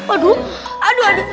aduh aduh aduh